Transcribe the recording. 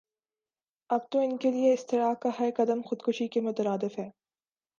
اب تو انکےلئے اسطرح کا ہر قدم خودکشی کے مترادف ہے